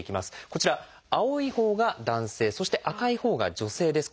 こちら青いほうが男性そして赤いほうが女性です。